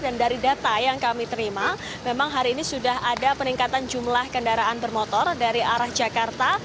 dan dari data yang kami terima memang hari ini sudah ada peningkatan jumlah kendaraan bermotor dari arah jakarta